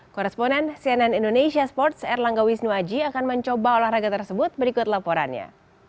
koresponen cnn indonesia sports erlangga wisnuaji akan mencoba olahraga tersebut berikut laporannya